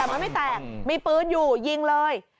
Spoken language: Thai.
แต่มันไม่แตกมีปืนอยู่ยิงเลย